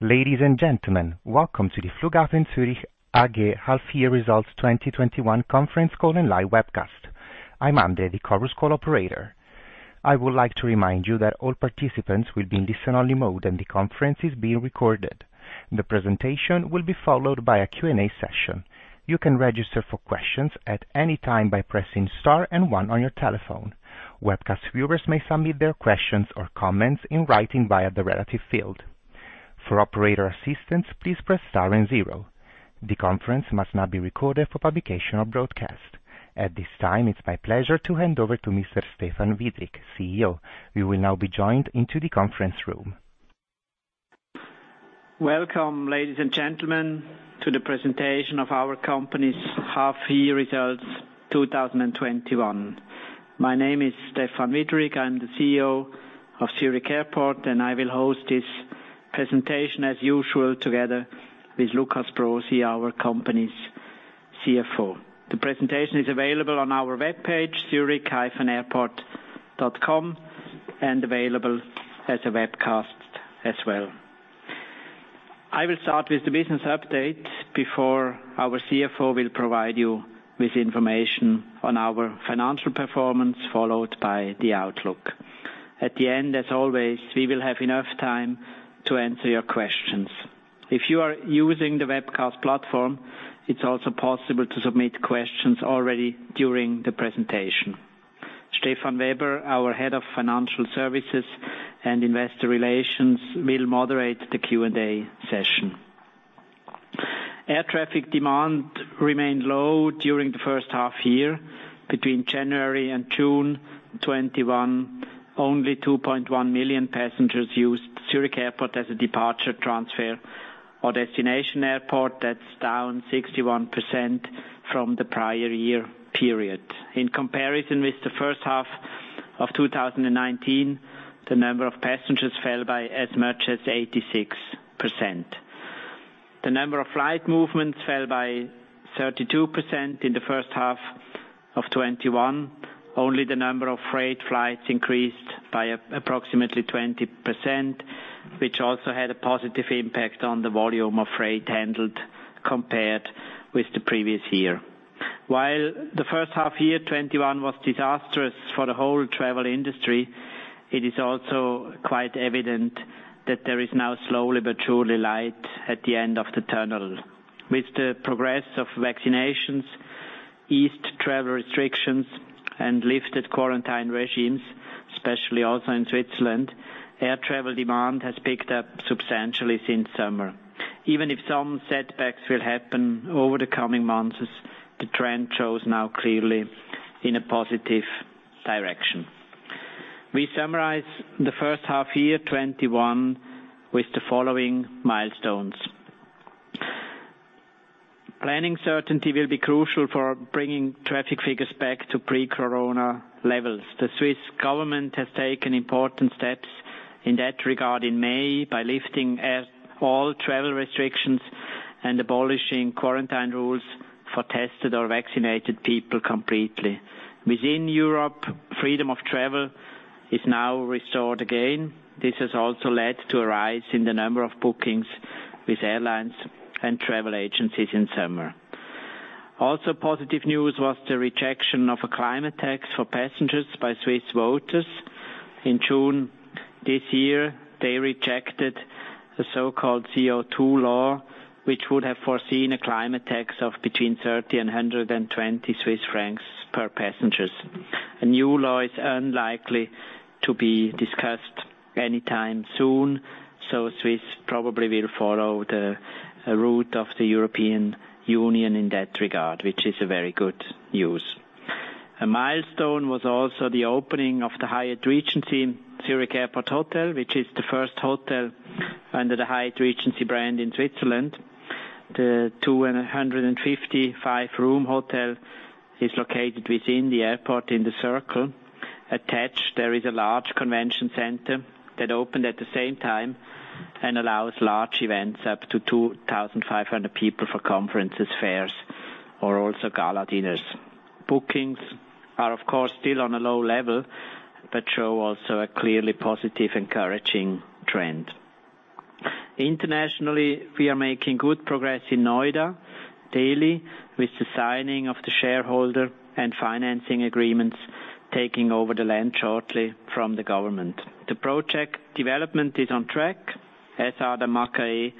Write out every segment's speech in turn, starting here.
Ladies and gentlemen, welcome to the Flughafen Zürich AG half year results 2021 conference call and live webcast. I'm Andy, the Chorus Call operator. I would like to remind you that all participants will be in listen-only mode and the conference is being recorded. The presentation will be followed by a Q&A session. You can register for questions at any time by pressing star and one on your telephone. Webcast viewers may submit their questions or comments in writing via the relative field. For operator assistance, please press star and zero. The conference must not be recorded for publication or broadcast. At this time, it's my pleasure to hand over to Mr. Stephan Widrig, CEO. We will now be joined into the conference room. Welcome, ladies and gentlemen, to the presentation of our company's half year results 2021. My name is Stephan Widrig. I'm the CEO of Zurich Airport, and I will host this presentation as usual together with Lukas Brosi, our company's CFO. The presentation is available on our webpage, zurich-airport.com, and available as a webcast as well. I will start with the business update before our CFO will provide you with information on our financial performance, followed by the outlook. At the end, as always, we will have enough time to answer your questions. If you are using the webcast platform, it's also possible to submit questions already during the presentation. Stefan Weber, our Head of Financial Services and Investor Relations, will moderate the Q&A session. Air traffic demand remained low during first half year. Between January and June 2021, only 2.1 million passengers used Zurich Airport as a departure, transfer, or destination airport. That's down 61% from the prior year period. In comparison with the first half of 2019, the number of passengers fell by as much as 86%. The number of flight movements fell by 32% in the first half of 2021. Only the number of freight flights increased by approximately 20%, which also had a positive impact on the volume of freight handled compared with the previous year. The first half year 2021 was disastrous for the whole travel industry, it is also quite evident that there is now slowly but surely light at the end of the tunnel. With the progress of vaccinations, eased travel restrictions, and lifted quarantine regimes, especially also in Switzerland, air travel demand has picked up substantially since summer. Even if some setbacks will happen over the coming months, the trend shows now clearly in a positive direction. We summarize the first half year 2021 with the following milestones. Planning certainty will be crucial for bringing traffic figures back to pre-Corona levels. The Swiss government has taken important steps in that regard in May by lifting all travel restrictions and abolishing quarantine rules for tested or vaccinated people completely. Within Europe, freedom of travel is now restored again. This has also led to a rise in the number of bookings with airlines and travel agencies in summer. Also positive news was the rejection of a climate tax for passengers by Swiss voters. In June this year, they rejected the so-called CO2 law, which would have foreseen a climate tax of between 30 and 120 Swiss francs per passengers. A new law is unlikely to be discussed anytime soon. Swiss probably will follow the route of the European Union in that regard, which is a very good news. A milestone was also the opening of the Hyatt Regency Zurich Airport Hotel, which is the first hotel under the Hyatt Regency brand in Switzerland. The 255-room hotel is located within the airport in The Circle. Attached, there is a large convention center that opened at the same time and allows large events up to 2,500 people for conferences, fairs, or also gala dinners. Bookings are, of course, still on a low level, but show also a clearly positive, encouraging trend. Internationally, we are making good progress in Noida, Delhi, with the signing of the shareholder and financing agreements, taking over the land shortly from the government. The project development is on track, as are the Macaé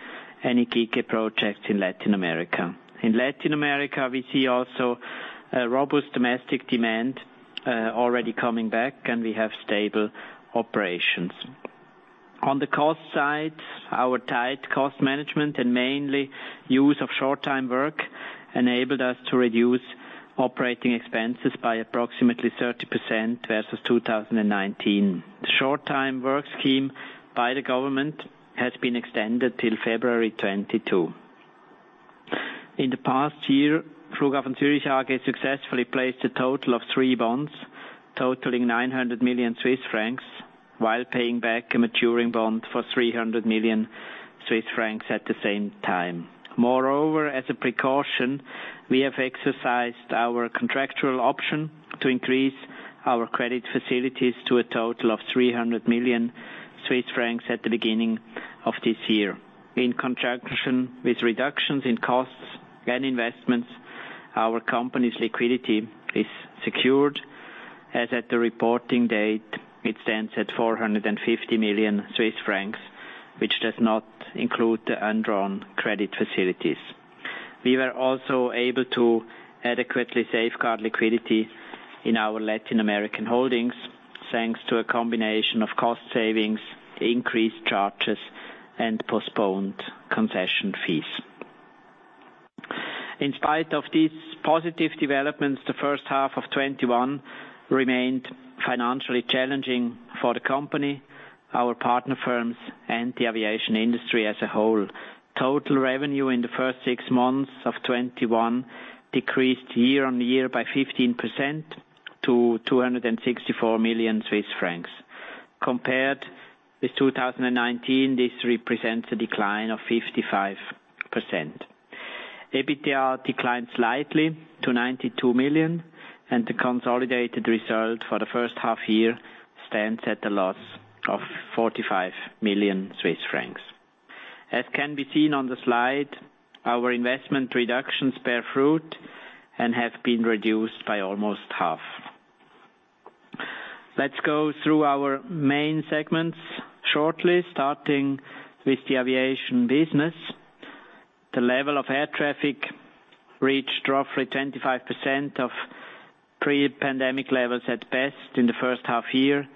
and Iquique projects in Latin America. In Latin America, we see also a robust domestic demand already coming back, and we have stable operations. On the cost side, our tight cost management and mainly use of short time work enabled us to reduce operating expenses by approximately 30% versus 2019. The short-time work scheme by the government has been extended till February 2022. In the past year, Flughafen Zürich AG successfully placed a total of three bonds totaling 900 million Swiss francs while paying back a maturing bond for 300 million Swiss francs at the same time. Moreover, as a precaution, we have exercised our contractual option to increase our credit facilities to a total of 300 million Swiss francs at the beginning of this year. In conjunction with reductions in costs and investments, our company's liquidity is secured. As at the reporting date, it stands at 450 million Swiss francs, which does not include the undrawn credit facilities. We were also able to adequately safeguard liquidity in our Latin American holdings, thanks to a combination of cost savings, increased charges, and postponed concession fees. In spite of these positive developments, the first half of 2021 remained financially challenging for the company, our partner firms, and the aviation industry as a whole. Total revenue in first six months of 2021 decreased year-on-year by 15% to 264 million Swiss francs. Compared with 2019, this represents a decline of 55%. EBITDA declined slightly to 92 million, and the consolidated result for first half year stands at a loss of 45 million Swiss francs. As can be seen on the slide, our investment reductions bear fruit and have been reduced by almost half. Let's go through our main segments shortly, starting with the aviation business. The level of air traffic reached roughly 25% of pre-pandemic levels at best in the first half year,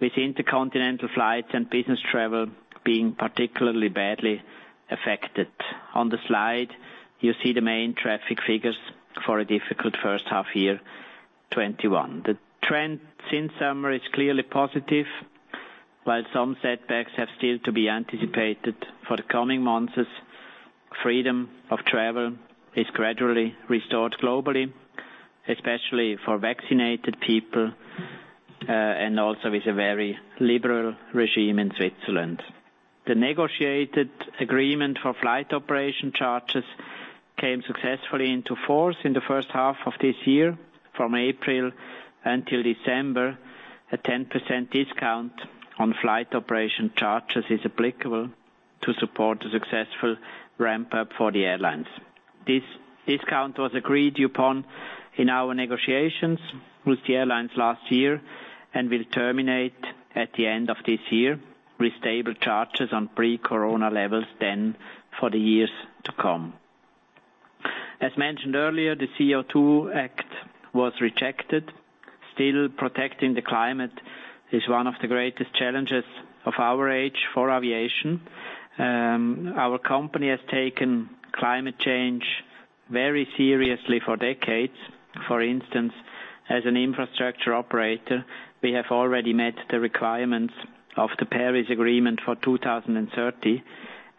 with intercontinental flights and business travel being particularly badly affected. On the slide, you see the main traffic figures for a difficult first half year 2021. The trend since summer is clearly positive. While some setbacks have still to be anticipated for the coming months, freedom of travel is gradually restored globally, especially for vaccinated people, and also with a very liberal regime in Switzerland. The negotiated agreement for flight operation charges came successfully into force in the first half of this year. From April until December, a 10% discount on flight operation charges is applicable to support a successful ramp-up for the airlines. This discount was agreed upon in our negotiations with the airlines last year and will terminate at the end of this year with stable charges on pre-Corona levels then for the years to come. As mentioned earlier, the CO2 Act was rejected. Still, protecting the climate is one of the greatest challenges of our age for aviation. Our company has taken climate change very seriously for decades. For instance, as an infrastructure operator, we have already met the requirements of the Paris Agreement for 2030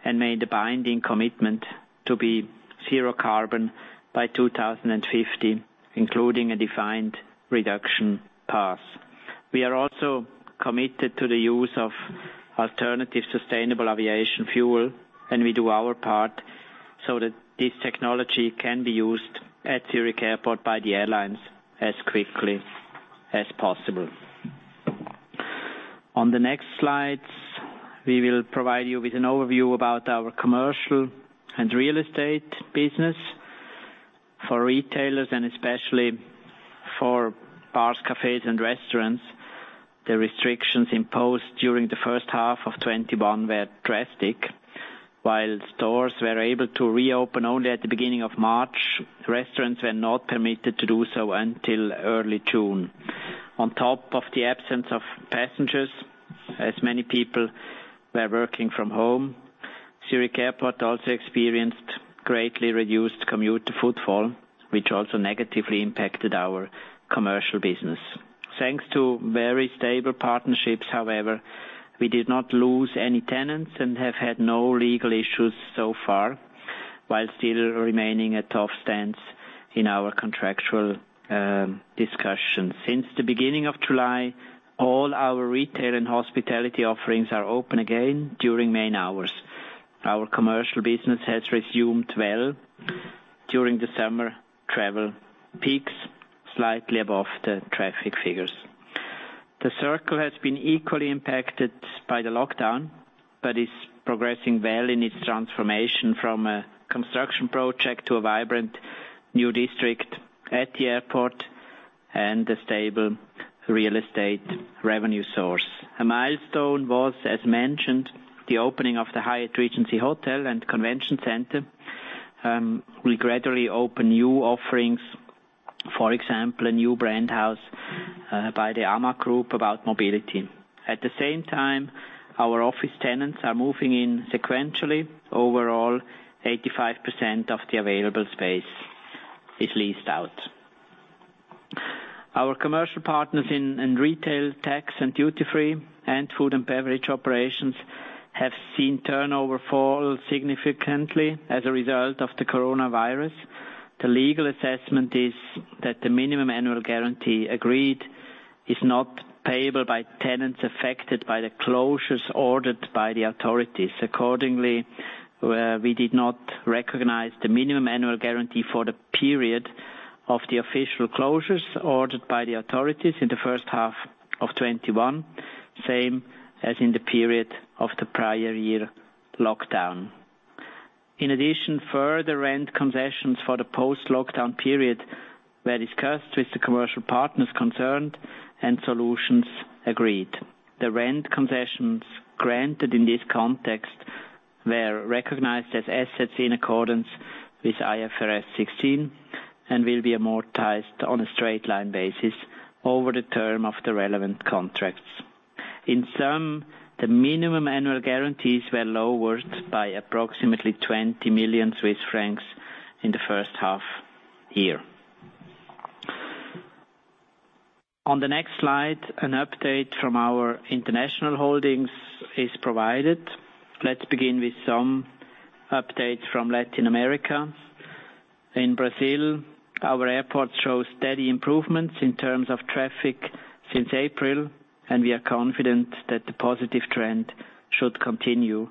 and made a binding commitment to be zero carbon by 2050, including a defined reduction path. We are also committed to the use of alternative sustainable aviation fuel, and we do our part so that this technology can be used at Zurich Airport by the airlines as quickly as possible. On the next slides, we will provide you with an overview about our commercial and real estate business. For retailers and especially for bars, cafes, and restaurants, the restrictions imposed during the first half of 2021 were drastic. While stores were able to reopen only at the beginning of March, restaurants were not permitted to do so until early June. On top of the absence of passengers, as many people were working from home, Zurich Airport also experienced greatly reduced commuter footfall, which also negatively impacted our commercial business. Thanks to very stable partnerships, however, we did not lose any tenants and have had no legal issues so far, while still remaining a tough stance in our contractual discussions. Since the beginning of July, all our retail and hospitality offerings are open again during main hours. Our commercial business has resumed well during the summer travel peaks, slightly above the traffic figures. The Circle has been equally impacted by the lockdown, but is progressing well in its transformation from a construction project to a vibrant new district at the airport and a stable real estate revenue source. A milestone was, as mentioned, the opening of the Hyatt Regency Hotel and Convention Center. We gradually open new offerings, for example, a new brand house by the AMAG Group about mobility. At the same time, our office tenants are moving in sequentially. Overall, 85% of the available space is leased out. Our commercial partners in retail tax and duty free and food and beverage operations have seen turnover fall significantly as a result of the coronavirus. The legal assessment is that the Minimum Annual Guarantee agreed is not payable by tenants affected by the closures ordered by the authorities. Accordingly, we did not recognize the Minimum Annual Guarantee for the period of the official closures ordered by the authorities in the first half of 2021, same as in the period of the prior year lockdown. In addition, further rent concessions for the post-lockdown period were discussed with the commercial partners concerned and solutions agreed. The rent concessions granted in this context were recognized as assets in accordance with IFRS 16 and will be amortized on a straight-line basis over the term of the relevant contracts. In sum, the Minimum Annual Guarantees were lowered by approximately 20 million Swiss francs in the first half year. On the next slide, an update from our international holdings is provided. Let's begin with some updates from Latin America. In Brazil, our airport shows steady improvements in terms of traffic since April, and we are confident that the positive trend should continue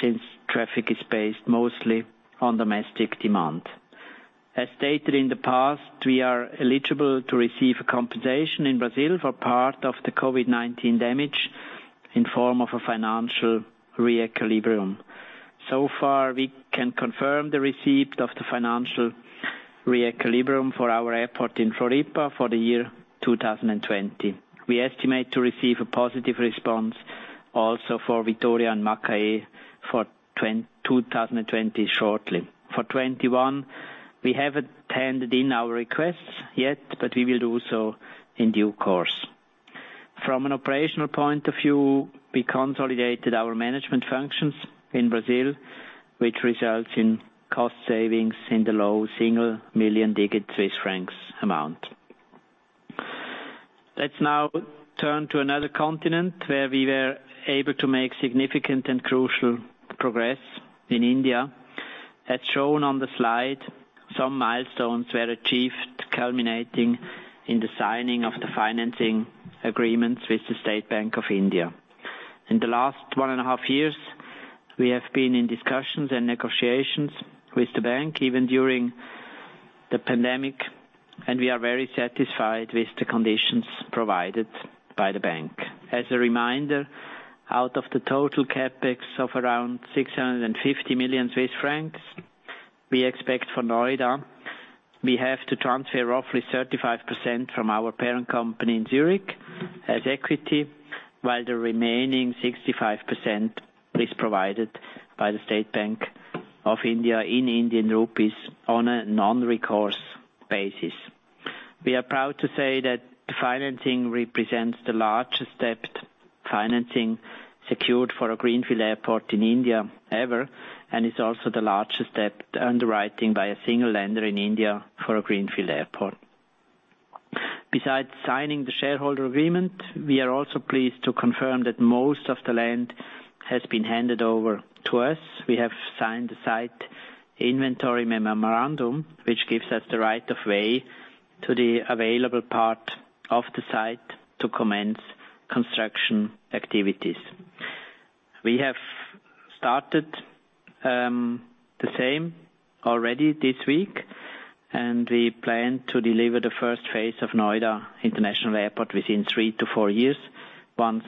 since traffic is based mostly on domestic demand. As stated in the past, we are eligible to receive compensation in Brazil for part of the COVID-19 damage in form of a financial re-equilibrium. So far, we can confirm the receipt of the financial re-equilibrium for our airport in Floripa for the year 2020. We estimate to receive a positive response also for Vitória and Macaé for 2020 shortly. For 2021, we haven't handed in our requests yet, but we will do so in due course. From an operational point of view, we consolidated our management functions in Brazil, which results in cost savings in the low single million digit Swiss francs amount. Let's now turn to another continent where we were able to make significant and crucial progress in India. As shown on the slide, some milestones were achieved, culminating in the signing of the financing agreements with the State Bank of India. In the last one and a half years, we have been in discussions and negotiations with the bank, even during the pandemic, and we are very satisfied with the conditions provided by the bank. As a reminder, out of the total CapEx of around 650 million Swiss francs, we expect for Noida, we have to transfer roughly 35% from our parent company in Zürich as equity, while the remaining 65% is provided by the State Bank of India in Indian Rupees on a non-recourse basis. We are proud to say that the financing represents the largest debt financing secured for a greenfield airport in India ever and is also the largest debt underwriting by a single lender in India for a greenfield airport. Besides signing the shareholder agreement, we are also pleased to confirm that most of the land has been handed over to us. We have signed the site inventory memorandum, which gives us the right of way to the available part of the site to commence construction activities. We have started the same already this week, and we plan to deliver the first phase of Noida International Airport within three to four years once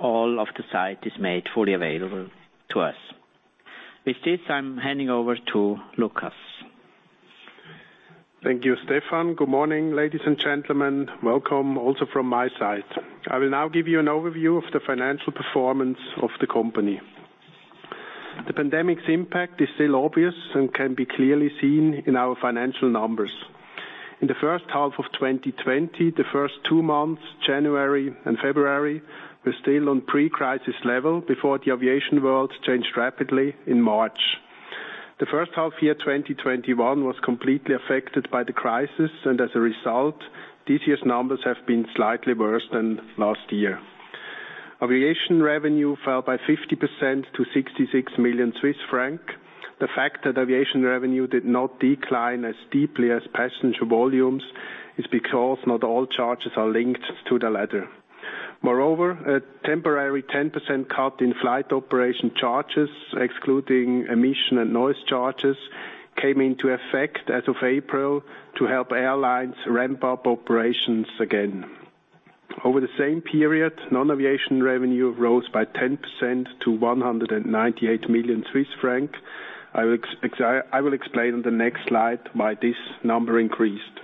all of the site is made fully available to us. With this, I'm handing over to Lukas. Thank you, Stephan. Good morning, ladies and gentlemen. Welcome also from my side. I will now give you an overview of the financial performance of the company. The pandemic's impact is still obvious and can be clearly seen in our financial numbers. In the first half of 2020, the first two months, January and February, were still on pre-crisis level before the aviation world changed rapidly in March. The first half year 2021 was completely affected by the crisis, and as a result, this year's numbers have been slightly worse than last year. Aviation revenue fell by 50% to 66 million Swiss francs. The fact that aviation revenue did not decline as deeply as passenger volumes is because not all charges are linked to the latter. Moreover, a temporary 10% cut in flight operation charges, excluding emission and noise charges, came into effect as of April to help airlines ramp up operations again. Over the same period, non-aviation revenue rose by 10% to 198 million Swiss francs. I will explain on the next slide why this number increased.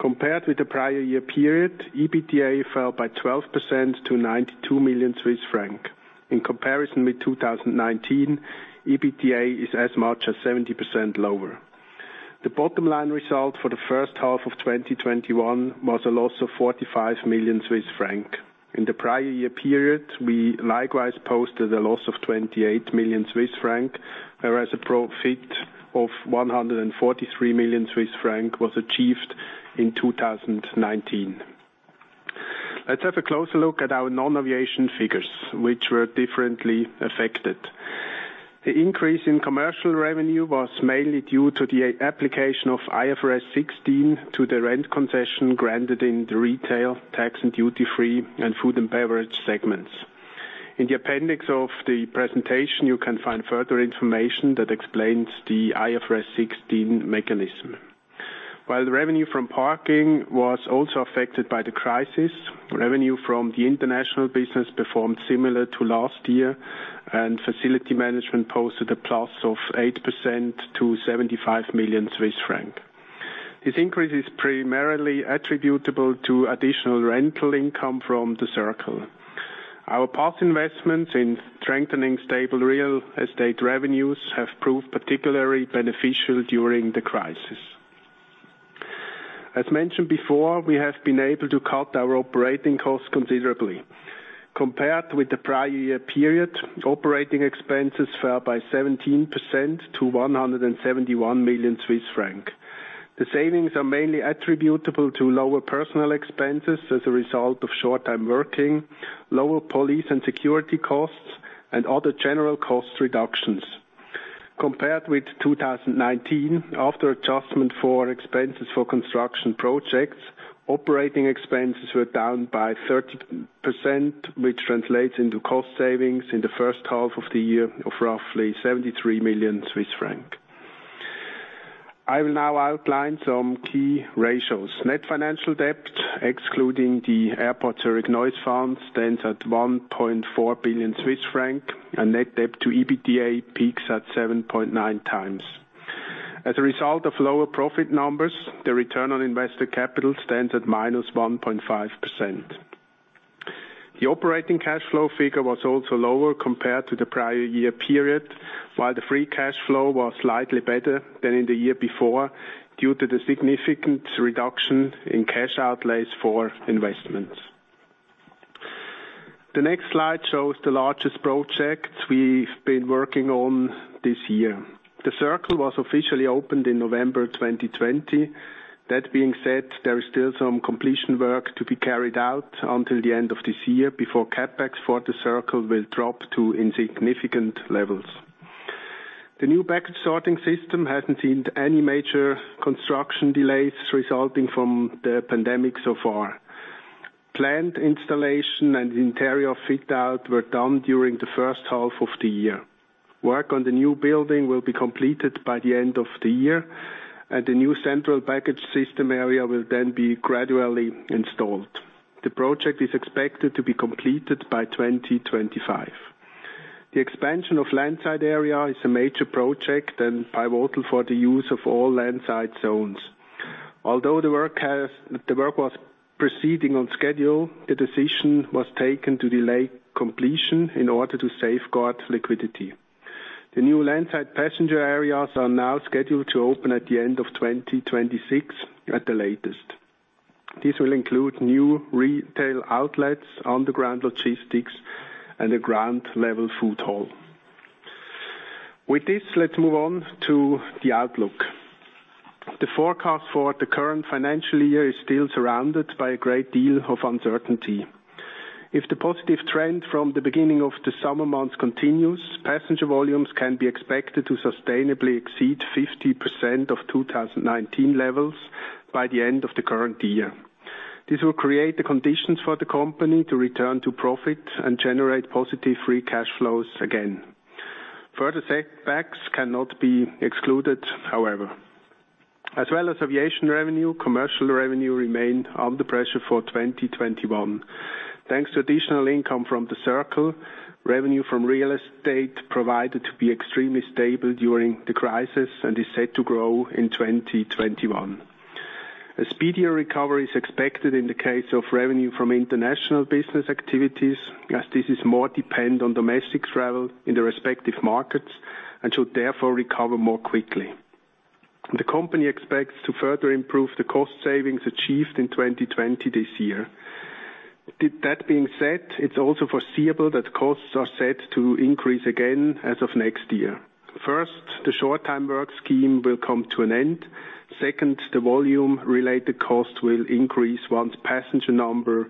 Compared with the prior year period, EBITDA fell by 12% to 92 million Swiss francs. In comparison with 2019, EBITDA is as much as 70% lower. The bottom line result for the first half of 2021 was a loss of 45 million Swiss franc. In the prior year period, we likewise posted a loss of 28 million Swiss franc, whereas a profit of 143 million Swiss franc was achieved in 2019. Let's have a closer look at our non-aviation figures, which were differently affected. The increase in commercial revenue was mainly due to the application of IFRS 16 to the rent concession granted in the retail, tax and duty-free, and food and beverage segments. In the appendix of the presentation, you can find further information that explains the IFRS 16 mechanism. While the revenue from parking was also affected by the crisis, revenue from the international business performed similar to last year, and facility management posted a plus of 8% to 75 million Swiss francs. This increase is primarily attributable to additional rental income from The Circle. Our past investments in strengthening stable real estate revenues have proved particularly beneficial during the crisis. As mentioned before, we have been able to cut our operating costs considerably. Compared with the prior year period, operating expenses fell by 17% to 171 million Swiss francs. The savings are mainly attributable to lower personnel expenses as a result of short-time working, lower police and security costs, and other general cost reductions. Compared with 2019, after adjustment for expenses for construction projects, operating expenses were down by 30%, which translates into cost savings in the first half of the year of roughly 73 million Swiss francs. I will now outline some key ratios. Net financial debt, excluding the Airport Zurich Noise Fund, stands at 1.4 billion Swiss franc, and net debt to EBITDA peaks at 7.9x. As a result of lower profit numbers, the return on investor capital stands at -1.5%. The operating cash flow figure was also lower compared to the prior year period, while the free cash flow was slightly better than in the year before due to the significant reduction in cash outlays for investments. The next slide shows the largest projects we've been working on this year. The Circle was officially opened in November 2020. That being said, there is still some completion work to be carried out until the end of this year before CapEx for The Circle will drop to insignificant levels. The new baggage sorting system hasn't seen any major construction delays resulting from the pandemic so far. Planned installation and interior fit-out were done during the first half of the year. Work on the new building will be completed by the end of the year, and the new central baggage system area will then be gradually installed. The project is expected to be completed by 2025. The expansion of landside area is a major project and pivotal for the use of all landside zones. Although the work was proceeding on schedule, the decision was taken to delay completion in order to safeguard liquidity. The new landside passenger areas are now scheduled to open at the end of 2026, at the latest. This will include new retail outlets, underground logistics, and a ground-level food hall. With this, let's move on to the outlook. The forecast for the current financial year is still surrounded by a great deal of uncertainty. If the positive trend from the beginning of the summer months continues, passenger volumes can be expected to sustainably exceed 50% of 2019 levels by the end of the current year. This will create the conditions for the company to return to profit and generate positive free cash flows again. Further setbacks cannot be excluded, however. As well as aviation revenue, commercial revenue remained under pressure for 2021. Thanks to additional income from The Circle, revenue from real estate proved to be extremely stable during the crisis and is set to grow in 2021. A speedier recovery is expected in the case of revenue from international business activities, as this is more dependent on domestic travel in the respective markets and should therefore recover more quickly. The company expects to further improve the cost savings achieved in 2020 this year. That being said, it is also foreseeable that costs are set to increase again as of next year. First, the short-time work scheme will come to an end. Second, the volume-related cost will increase once passenger number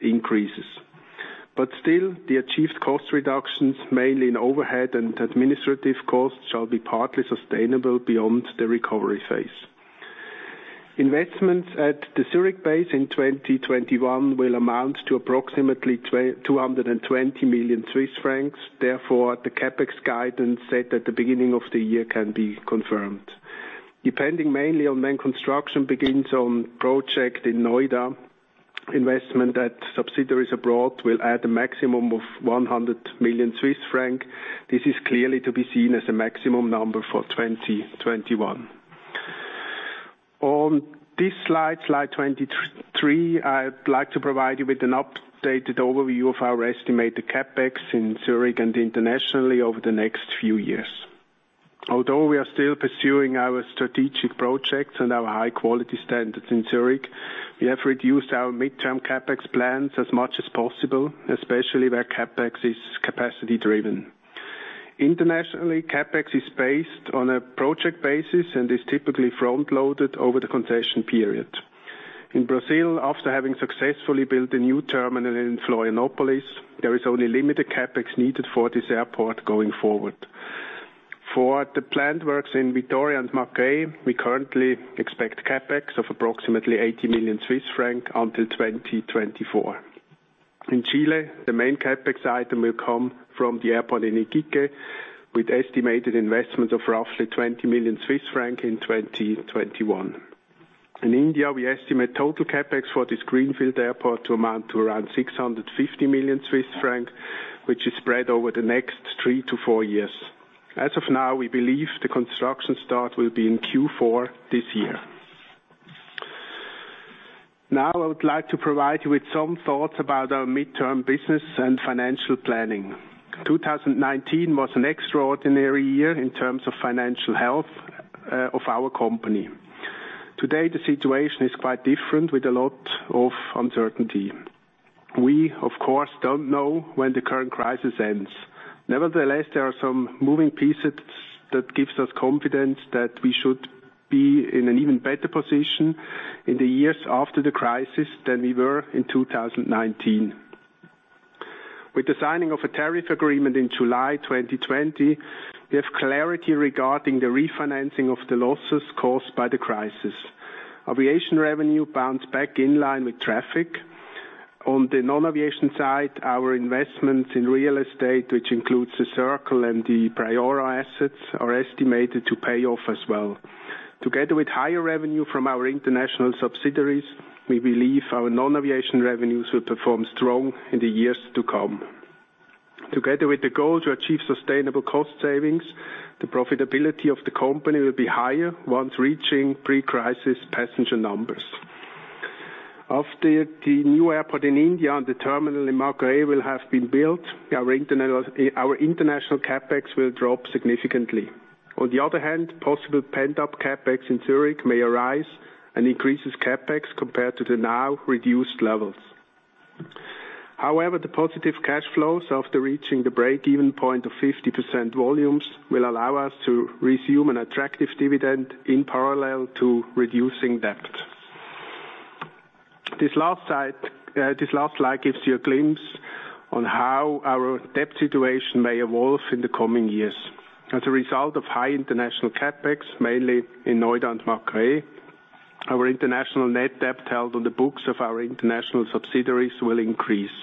increases. Still, the achieved cost reductions, mainly in overhead and administrative costs, shall be partly sustainable beyond the recovery phase. Investments at the Zürich base in 2021 will amount to approximately 220 million Swiss francs. Therefore, the CapEx guidance set at the beginning of the year can be confirmed. Depending mainly on when construction begins on project in Noida, investment at subsidiaries abroad will add a maximum of 100 million Swiss francs. This is clearly to be seen as a maximum number for 2021. On this slide 23, I'd like to provide you with an updated overview of our estimated CapEx in Zürich and internationally over the next few years. Although we are still pursuing our strategic projects and our high-quality standards in Zürich, we have reduced our midterm CapEx plans as much as possible, especially where CapEx is capacity driven. Internationally, CapEx is based on a project basis and is typically front-loaded over the concession period. In Brazil, after having successfully built a new terminal in Florianópolis, there is only limited CapEx needed for this airport going forward. For the plant works in Vitória and Macaé, we currently expect CapEx of approximately 80 million Swiss francs until 2024. In Chile, the main CapEx item will come from the airport in Iquique, with estimated investment of roughly 20 million Swiss francs in 2021. In India, we estimate total CapEx for this greenfield airport to amount to around 650 million Swiss francs, which is spread over the next three to four years. As of now, we believe the construction start will be in Q4 this year. Now I would like to provide you with some thoughts about our midterm business and financial planning. 2019 was an extraordinary year in terms of financial health of our company. Today, the situation is quite different with a lot of uncertainty. We, of course, don't know when the current crisis ends. Nevertheless, there are some moving pieces that gives us confidence that we should be in an even better position in the years after the crisis than we were in 2019. With the signing of a tariff agreement in July 2020, we have clarity regarding the refinancing of the losses caused by the crisis. Aviation revenue bounced back in line with traffic. On the non-aviation side, our investments in real estate, which includes The Circle and the Priora assets, are estimated to pay off as well. Together with higher revenue from our international subsidiaries, we believe our non-aviation revenues will perform strong in the years to come. Together with the goal to achieve sustainable cost savings, the profitability of the company will be higher once reaching pre-crisis passenger numbers. After the new airport in India and the terminal in Macaé will have been built, our international CapEx will drop significantly. On the other hand, possible pent-up CapEx in Zürich may arise and increases CapEx compared to the now reduced levels. The positive cash flows after reaching the break-even point of 50% volumes will allow us to resume an attractive dividend in parallel to reducing debt. This last slide, this last slide gives you a glimpse on how our debt situation may evolve in the coming years. As a result of high international CapEx, mainly in Noida and Macaé, our international net debt held on the books of our international subsidiaries will increase.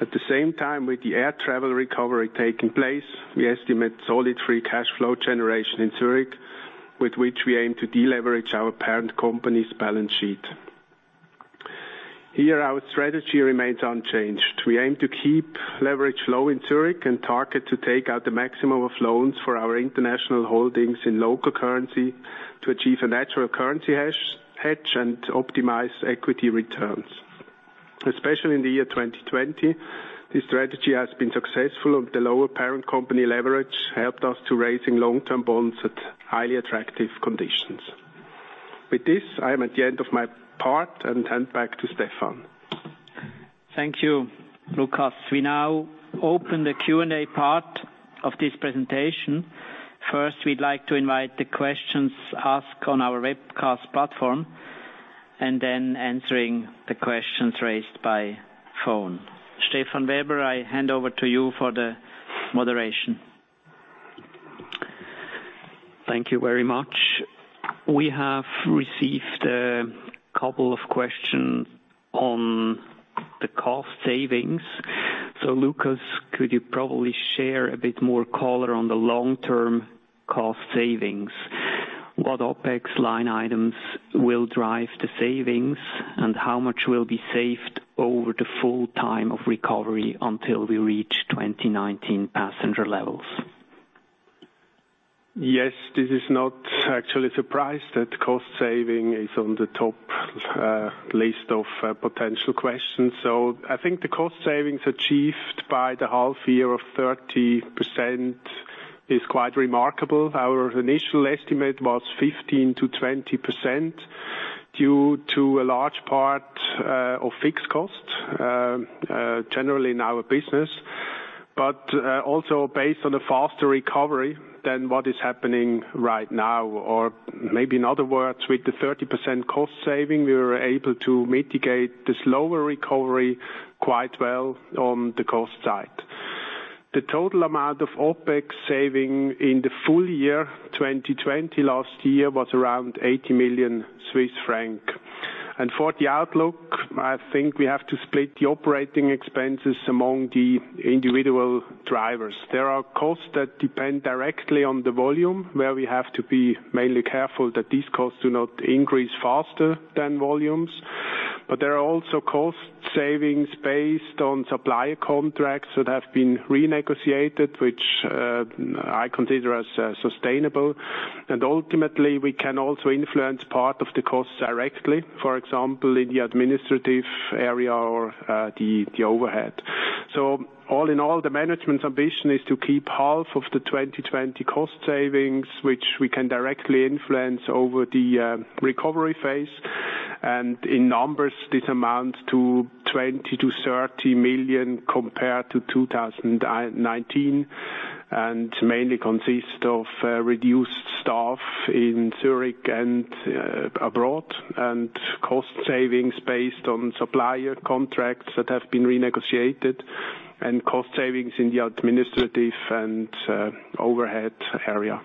At the same time, with the air travel recovery taking place, we estimate solid free cash flow generation in Zürich, with which we aim to deleverage our parent company's balance sheet. Here, our strategy remains unchanged. We aim to keep leverage low in Zürich and target to take out the maximum of loans for our international holdings in local currency to achieve a natural currency hedge and optimize equity returns. Especially in the year 2020, this strategy has been successful, and the lower parent company leverage helped us to raising long-term bonds at highly attractive conditions. With this, I am at the end of my part and hand back to Stephan. Thank you, Lukas. We now open the Q&A part of this presentation. First, we'd like to invite the questions asked on our webcast platform, and then answering the questions raised by phone. Stefan Weber, I hand over to you for the moderation. Thank you very much. We have received a couple of questions on the cost savings. Lukas, could you probably share a bit more color on the long-term cost savings? What OpEx line items will drive the savings, and how much will be saved over the full time of recovery until we reach 2019 passenger levels? This is not actually a surprise that cost saving is on the top list of potential questions. I think the cost savings achieved by the half year of 30% is quite remarkable. Our initial estimate was 15%-20% due to a large part of fixed costs, generally in our business. But, also based on a faster recovery than what is happening right now. Maybe in other words, with the 30% cost saving, we were able to mitigate the slower recovery quite well on the cost side. The total amount of OpEx saving in the full year 2020 last year was around 80 million Swiss francs. For the outlook, I think we have to split the operating expenses among the individual drivers. There are costs that depend directly on the volume, where we have to be mainly careful that these costs do not increase faster than volumes. But, there are also cost savings based on supplier contracts that have been renegotiated, which I consider as sustainable. Ultimately, we can also influence part of the cost directly, for example, in the administrative area or the overhead. All in all, the management's ambition is to keep half of the 2020 cost savings, which we can directly influence over the recovery phase. In numbers, this amounts to 20 million-30 million compared to 2019, and mainly consist of reduced staff in Zürich and abroad, and cost savings based on supplier contracts that have been renegotiated, and cost savings in the administrative and overhead area.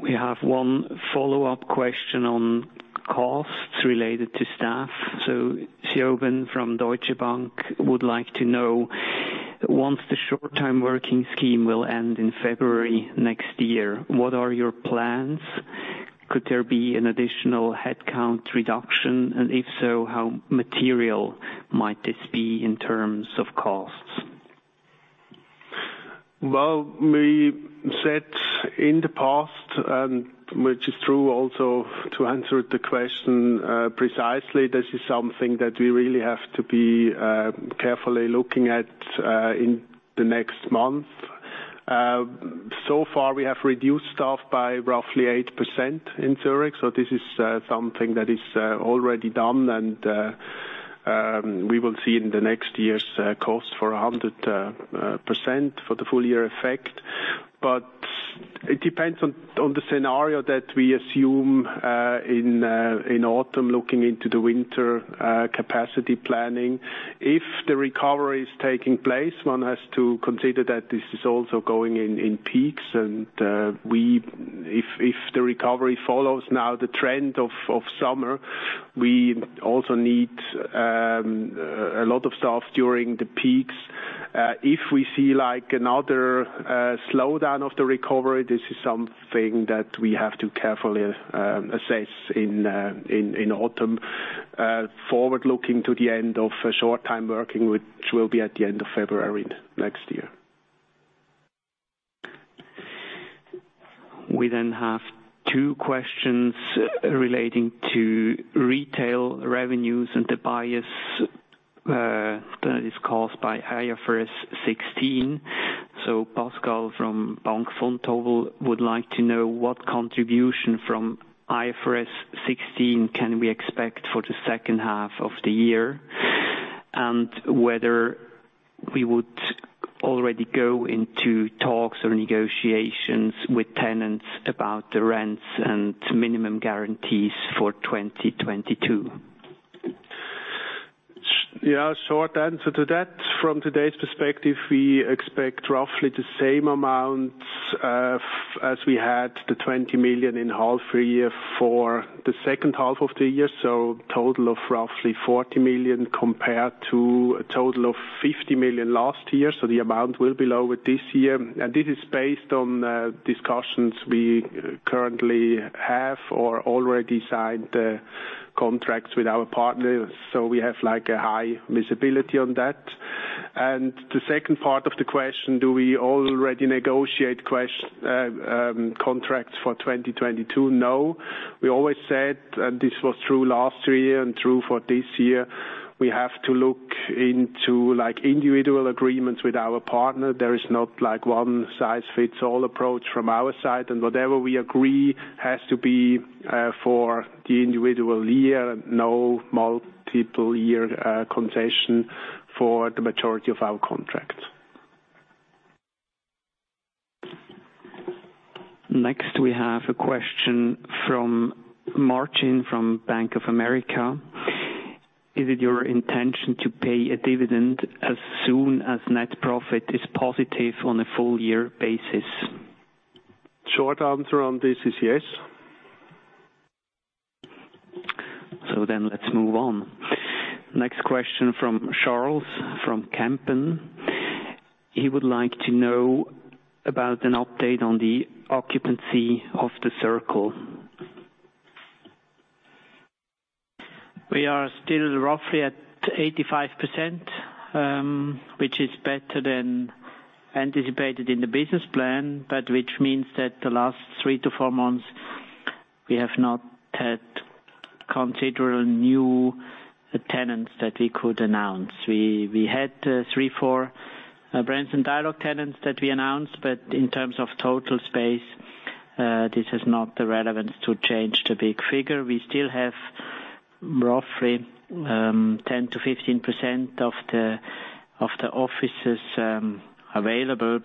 We have one follow-up question on costs related to staff. Siobhan from Deutsche Bank would like to know, once the short-time working scheme will end in February next year, what are your plans? Could there be an additional headcount reduction, and if so, how material might this be in terms of costs? Well, we said in the past, which is true also to answer the question precisely, this is something that we really have to be carefully looking at in the next month. So far, we have reduced staff by roughly 8% in Zurich, so this is something that is already done, and we will see in the next year's costs for 100% for the full year effect. It depends on the scenario that we assume in autumn, looking into the winter capacity planning. If the recovery is taking place, one has to consider that this is also going in peaks. If the recovery follows now the trend of summer, we also need a lot of staff during the peaks. If we see another slowdown of the recovery, this is something that we have to carefully assess in autumn. Forward looking to the end of short-time working, which will be at the end of February next year. We have two questions relating to retail revenues and the bias that is caused by IFRS 16. Pascal from Bank Vontobel would like to know what contribution from IFRS 16 can we expect for the second half of the year, and whether we would already go into talks or negotiations with tenants about the rents and minimum guarantees for 2022. Yeah. Short answer to that, from today's perspective, we expect roughly the same amount as we had the 20 million in half year for the second half of the year. So, total of roughly 40 million compared to a total of 50 million last year. The amount will be lower this year. This is based on discussions we currently have or already signed contracts with our partners. We have a high visibility on that. The second part of the question, do we already negotiate contracts for 2022? No. We always said, and this was true last year and true for this year, we have to look into individual agreements with our partner. There is not one-size-fits-all approach from our side, and whatever we agree has to be for the individual year, no multiple year concession for the majority of our contracts. Next, we have a question from Martin from Bank of America. Is it your intention to pay a dividend as soon as net profit is positive on a full year basis? Short answer on this is yes. Let's move on. Next question from Charles from Kempen. He would like to know about an update on the occupancy of The Circle. We are still roughly at 85%, which is better than anticipated in the business plan. Which means that the last three to four months, we have not had considerable new tenants that we could announce. We had three, four brands and dialogue tenants that we announced, but in terms of total space, this is not the relevance to change the big figure. We still have roughly 10%-15% of the offices available.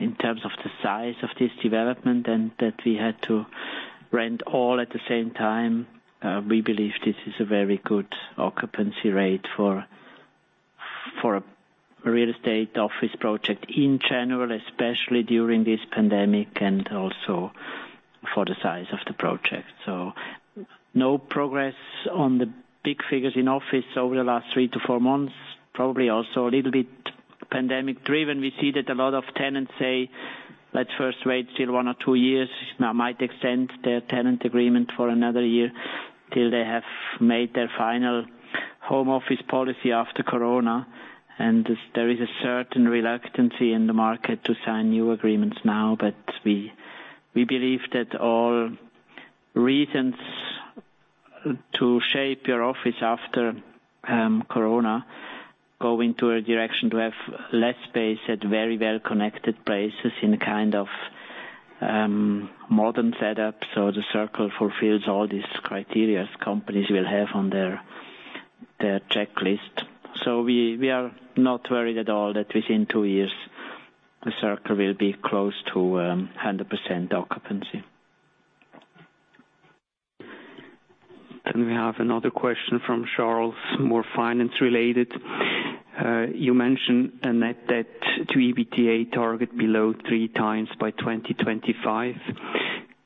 In terms of the size of this development and that we had to rent all at the same time, we believe this is a very good occupancy rate for a real estate office project in general, especially during this pandemic and also for the size of the project. No progress on the big figures in office over the last three to four months, probably also a little bit pandemic driven. We see that a lot of tenants say, "Let's first wait till one or two years." Now might extend their tenant agreement for another year till they have made their final home office policy after Corona. There is a certain reluctance in the market to sign new agreements now. But, we believe that all reasons to shape your office after Corona go into a direction to have less space at very well-connected places in a kind of modern setup. The Circle fulfills all these criteria companies will have on their checklist. We are not worried at all that within two years, The Circle will be close to 100% occupancy. We have another question from Charles, more finance related. You mentioned a net debt to EBITDA target below 3x by 2025.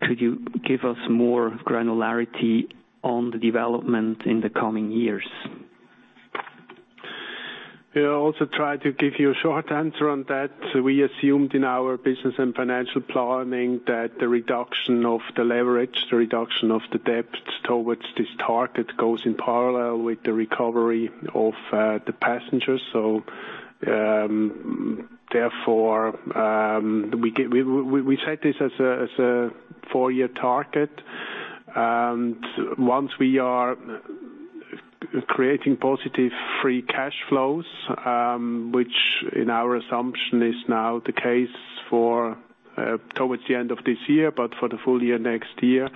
Could you give us more granularity on the development in the coming years? Yeah. I'll also try to give you a short answer on that. We assumed in our business and financial planning that the reduction of the leverage, the reduction of the debt towards this target goes in parallel with the recovery of the passengers. Therefore, we set this as a four-year target. Once we are creating positive free cash flows, which in our assumption is now the case towards the end of this year, but for the full year next year,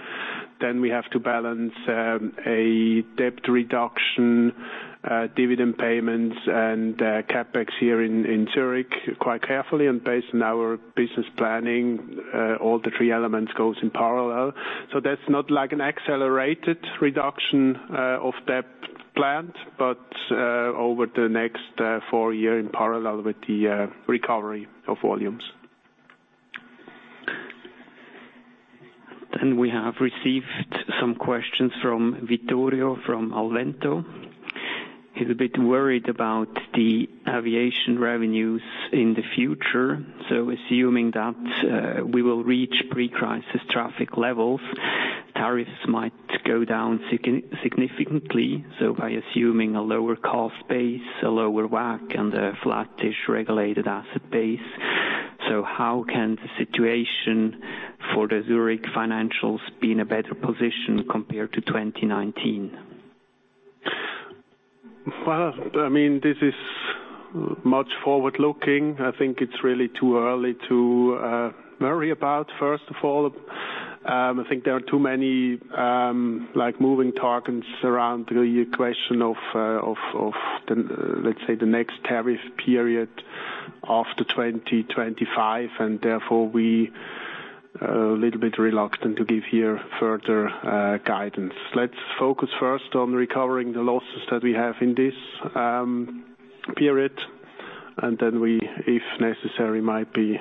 then we have to balance a debt reduction, dividend payments and CapEx here in Zürich quite carefully. Based on our business planning, all the three elements goes in parallel. That's not like an accelerated reduction of debt planned, but over the next four years in parallel with the recovery of volumes. We have received some questions from Vittorio, from Alvento. He's a bit worried about the aviation revenues in the future. Assuming that we will reach pre-crisis traffic levels, tariffs might go down significantly. By assuming a lower cost base, a lower WACC, and a flattish regulated asset base, so how can the situation for the Zürich financials be in a better position compared to 2019? Well, this is much forward-looking. I think it's really too early to worry about, first of all. I think there are too many moving targets around the question of, let's say, the next tariff period after 2025, and therefore we are a little bit reluctant to give here further guidance. Let's focus first on recovering the losses that we have in this period, and then we, if necessary, might be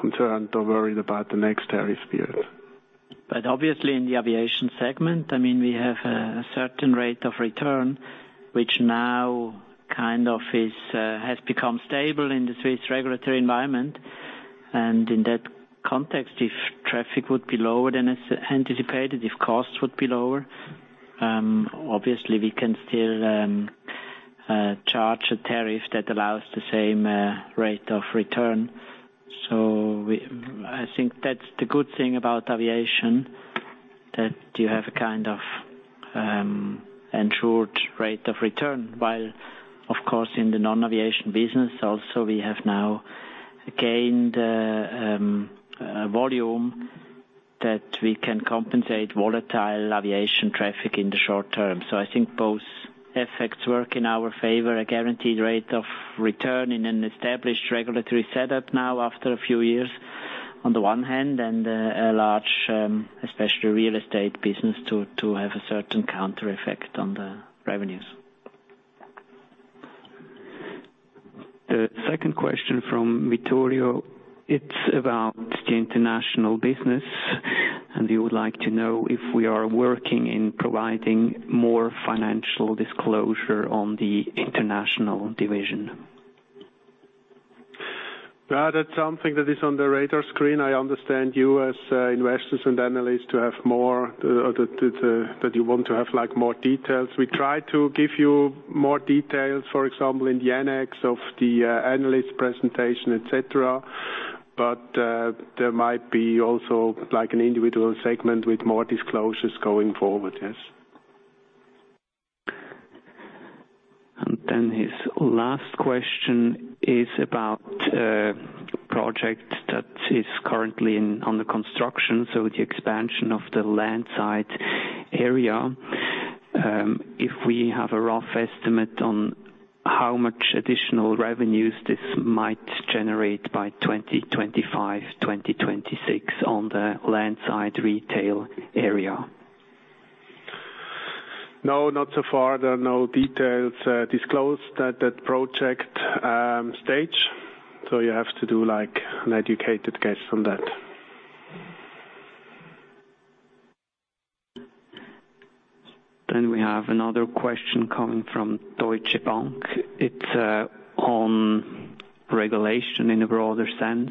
concerned or worried about the next tariff period. Obviously in the aviation segment, we have a certain rate of return, which now has become stable in the Swiss regulatory environment. In that context, if traffic would be lower than anticipated, if costs would be lower, obviously we can still charge a tariff that allows the same rate of return. I think that's the good thing about aviation, that you have a kind of ensured rate of return. While of course, in the non-aviation business also, we have now gained volume that we can compensate volatile aviation traffic in the short term. I think both effects work in our favor, a guaranteed rate of return in an established regulatory setup now after a few years on the one hand, and a large, especially real estate business to have a certain counter-effect on the revenues. The second question from Vittorio, it's about the international business, and he would like to know if we are working in providing more financial disclosure on the international division. That's something that is on the radar screen. I understand you, as investors and analysts, to have more, that you want to have more details. We try to give you more details, for example, in the annex of the analyst presentation, et cetera, but there might be also an individual segment with more disclosures going forward. Yes. His last question is about a project that is currently under construction, so the expansion of the land site area. If we have a rough estimate on how much additional revenues this might generate by 2025, 2026 on the land site retail area? No, not so far. There are no details disclosed at that project stage. You have to do an educated guess on that. We have another question coming from Deutsche Bank. It's on regulation in a broader sense.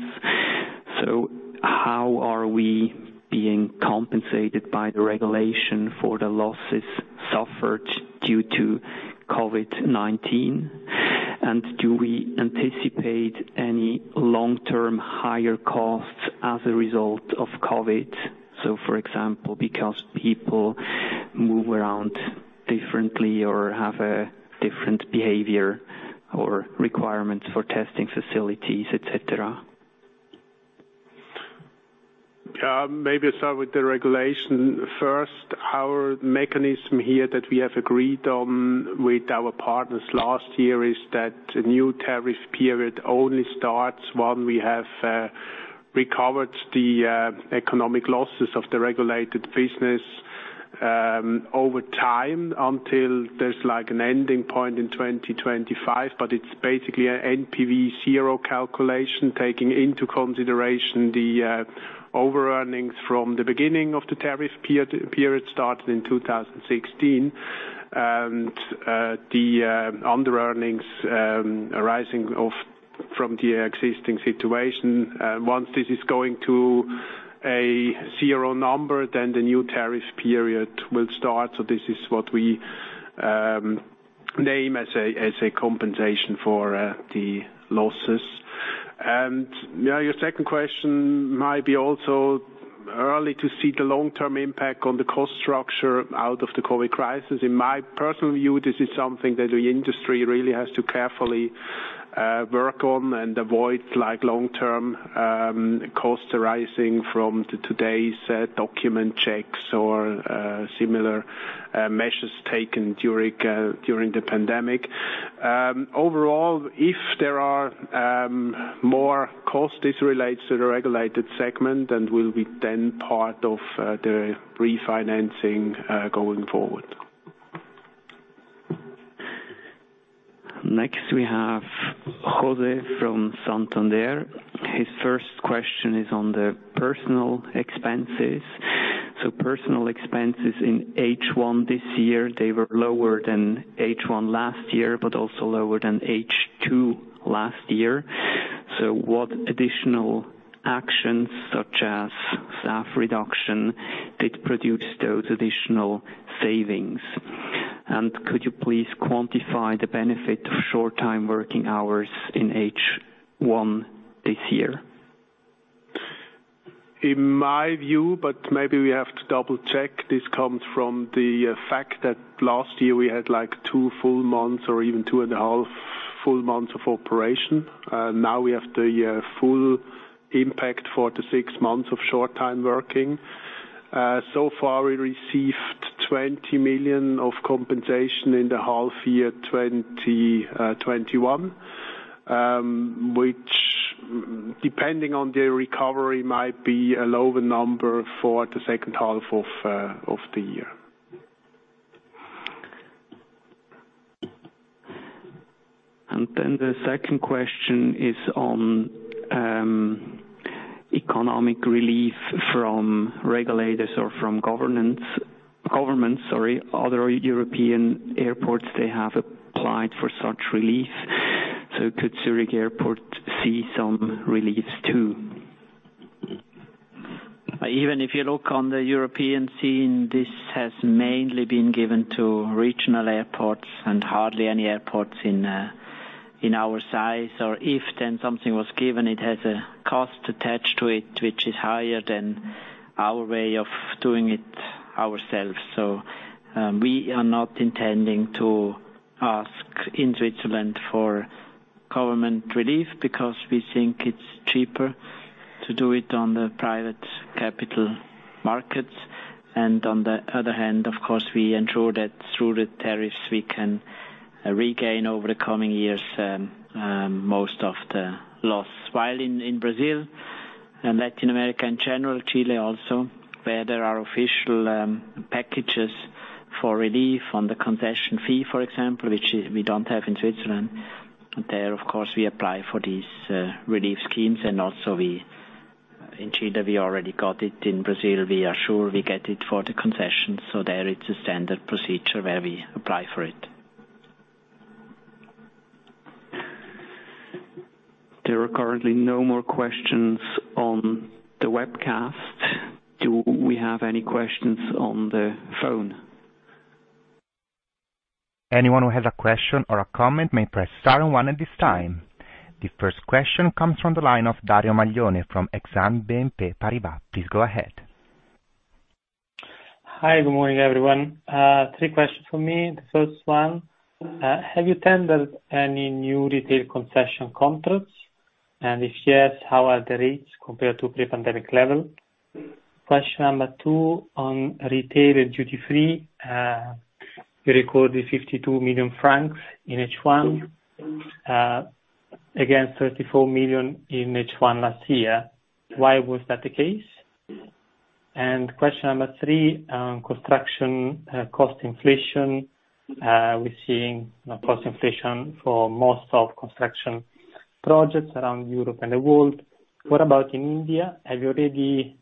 How are we being compensated by the regulation for the losses suffered due to COVID-19? Do we anticipate any long-term higher costs as a result of COVID? For example, because people move around differently or have a different behavior or requirement for testing facilities, et cetera. Maybe I start with the regulation first. Our mechanism here that we have recovered the economic losses of the regulated business over time until there's like an ending point in 2025, but it's basically a NPV 0 calculation, taking into consideration the overearnings from the beginning of the tariff period started in 2016, and the underearnings arising from the existing situation. Once this is going to a zero number, the new tariff period will start. This is what we name as a compensation for the losses. Your second question might be also early to see the long-term impact on the cost structure out of the COVID crisis. In my personal view, this is something that the industry really has to carefully work on and avoid long-term costs arising from today's document checks or similar measures taken during the pandemic. Overall, if there are more costs, this relates to the regulated segment and will be then part of the refinancing going forward. Next, we have Jose from Santander. His first question is on the personnel expenses. Personnel expenses in H1 this year, they were lower than H1 last year, but also lower than H2 last year. What additional actions, such as staff reduction, did produce those additional savings? Could you please quantify the benefit of short-time working hours in H1 this year? In my view, maybe we have to double-check, this comes from the fact that last year we had two full months or even two and a half full months of operation. Now we have the full impact for the six months of short-time working. So far, we received 20 million of compensation in the half year 2021, which, depending on the recovery, might be a lower number for the second half of the year. The second question is on economic relief from regulators or from governments. Other European airports, they have applied for such relief. Could Zurich Airport see some relief, too? If you look on the European scene, this has mainly been given to regional airports and hardly any airports in our size. So, if then something was given, it has a cost attached to it, which is higher than our way of doing it ourselves. We are not intending to ask in Switzerland for government relief because we think it's cheaper to do it on the private capital markets. On the other hand, of course, we ensure that through the tariffs we can regain over the coming years most of the loss. In Brazil and Latin America in general, Chile also, where there are official packages for relief on the concession fee, for example, which we don't have in Switzerland. There, of course, we apply for these relief schemes and also in Chile, we already got it. In Brazil, we are sure we get it for the concession. There it's a standard procedure where we apply for it. There are currently no more questions on the webcast. Do we have any questions on the phone? Anyone who has a question or a comment may press star one at this time. The first question comes from the line of Dario Maglione from Exane BNP Paribas. Please go ahead. Hi, good morning, everyone. Three questions from me. The first one, have you tendered any new retail concession contracts? If yes, how are the rates compared to pre-pandemic level? Question number two on retail and duty-free. You recorded 52 million francs in H1, against 34 million in H1 last year. Why was that the case? Question number three on construction cost inflation. We're seeing cost inflation for most of construction projects around Europe and the world. What about in India? Have you already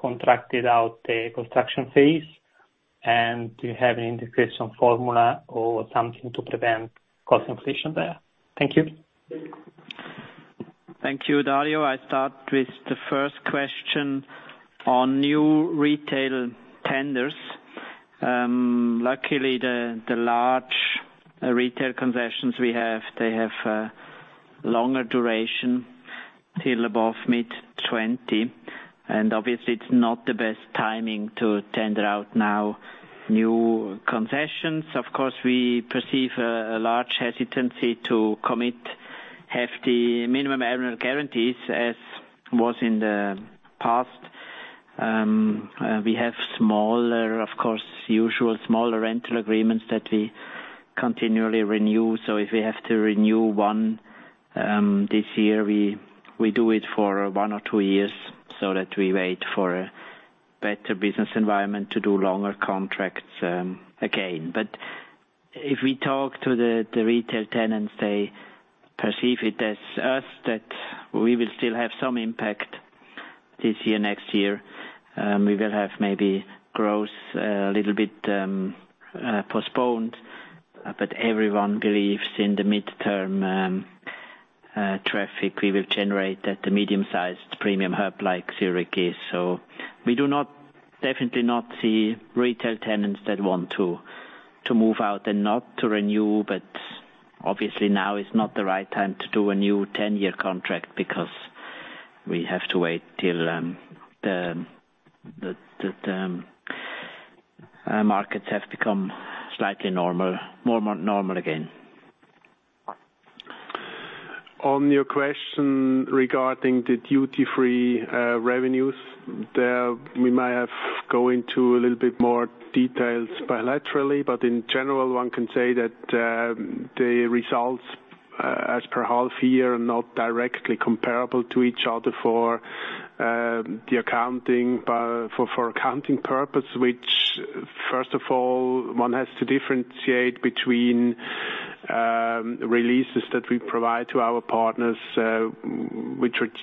contracted out the construction phase and do you have any indication formula or something to prevent cost inflation there? Thank you. Thank you, Dario. I start with the first question on new retail tenders. Luckily, the large retail concessions we have, they have a longer duration till above mid 2020. Obviously, it's not the best timing to tender out now new concessions. Of course, we perceive a large hesitancy to commit hefty Minimum Annual Guarantees as was in the past. We have smaller, of course, usual smaller rental agreements that we continually renew. If we have to renew one this year, we do it for one or two years so that we wait for a better business environment to do longer contracts again. If we talk to the retail tenants, they perceive it as us that we will still have some impact this year, next year. We will have maybe growth a little bit postponed, but everyone believes in the midterm traffic we will generate at the medium-sized premium hub like Zurich is. We do not, definitely not see retail tenants that want to move out and not to renew, but obviously now is not the right time to do a new 10-year contract because we have to wait till the markets have become slightly normal, more normal again. On your question regarding the duty-free revenues, there we may have go into a little bit more details bilaterally, but in general, one can say that the results as per half year are not directly comparable to each other for accounting purpose, which, first of all, one has to differentiate between releases that we provide to our partners, which would,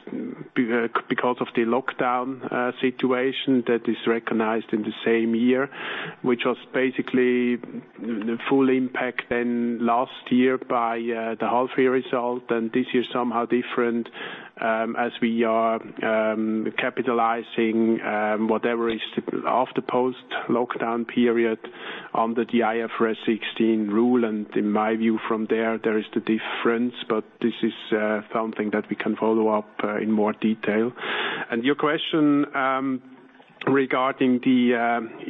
because of the lockdown situation that is recognized in the same year, which was basically the full impact then last year by the half year result. This year somehow different, as we are capitalizing whatever is after post-lockdown period on the IFRS 16 rule. In my view from there is the difference. This is something that we can follow up in more detail. Your question regarding the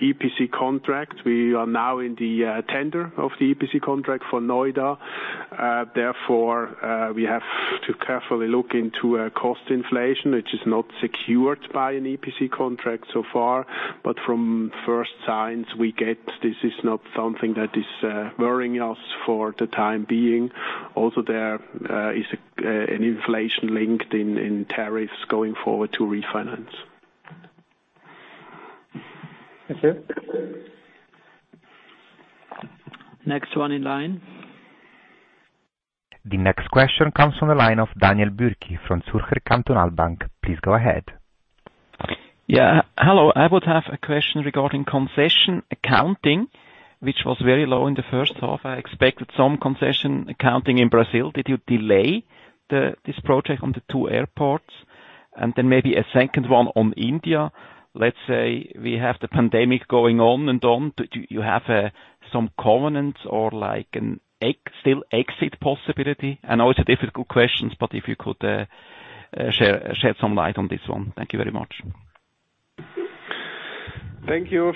EPC contract. We are now in the tender of the EPC contract for Noida. We have to carefully look into cost inflation, which is not secured by an EPC contract so far, but from first signs we get, this is not something that is worrying us for the time being. There is an inflation linked in tariffs going forward to refinance. Thank you. Next one in line. The next question comes from the line of Daniel Bürki from Zürcher Kantonalbank. Please go ahead. Hello. I would have a question regarding concession accounting, which was very low in the first half. I expected some concession accounting in Brazil. Did you delay this project on the two airports? And then, maybe a second one on India. Let's say we have the pandemic going on and on. Do you have some covenants or an exit possibility? I know it's a difficult question, but if you could shed some light on this one. Thank you very much. Thank you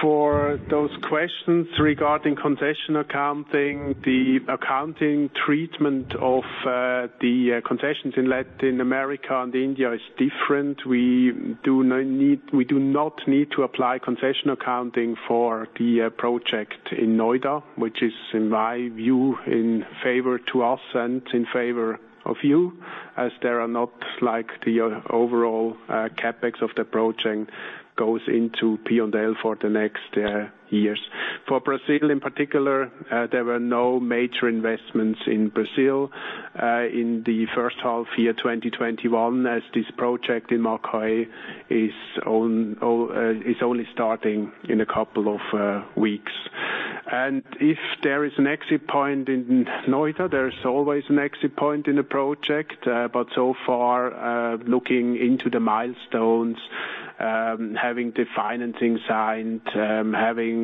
for those questions regarding concession accounting. The accounting treatment of the concessions in Latin America and India is different. We do not need to apply concession accounting for the project in Noida, which is, in my view, in favor to us and in favor of you as the overall CapEx of the project goes into P&L for the next years. For Brazil in particular, there were no major investments in Brazil in the first half year 2021, as this project in Macaé is only starting in a couple of weeks. If there is an exit point in Noida, there is always an exit point in the project. So far, looking into the milestones, having the financing signed, having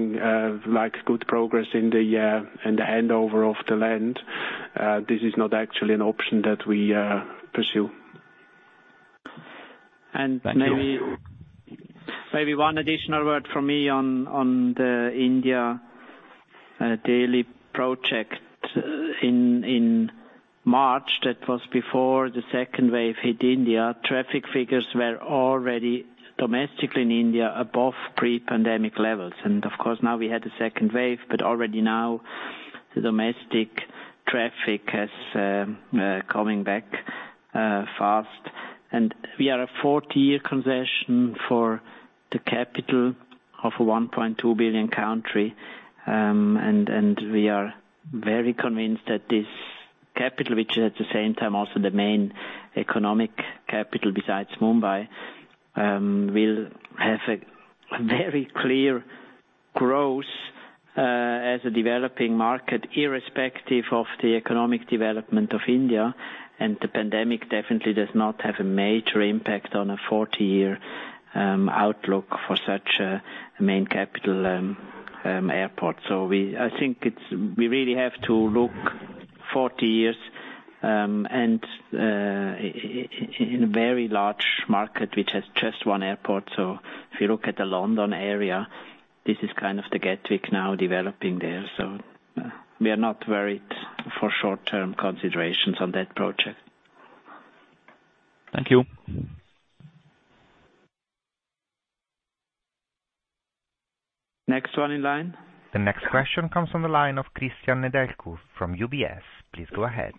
good progress in the handover of the land, this is not actually an option that we pursue. Thank you. Maybe one additional word from me on the India daily procheck. In March, that was before the second wave hit India, traffic figures were already domestically in India above pre-pandemic levels. Of course, now we had the second wave, but already now the domestic traffic has coming back fast. We are a 40-year concession for the capital of a 1.2 billion country. We are very convinced that this capital, which is at the same time also the main economic capital besides Mumbai, will have a very clear growth as a developing market, irrespective of the economic development of India. The pandemic definitely does not have a major impact on a 40-year outlook for such a main capital airport. I think we really have to look 40 years, and in a very large market, which has just one airport. If you look at the London area, this is kind of the Gatwick now developing there. We are not worried for short-term considerations on that project. Thank you. Next one in line. The next question comes from the line of Cristian Nedelcu from UBS. Please go ahead.